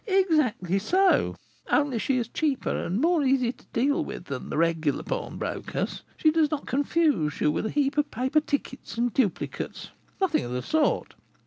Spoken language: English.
"Exactly so; only she is cheaper and more easy to deal with than the regular pawnbrokers: she does not confuse you with a heap of paper tickets and duplicates, nothing of the sort.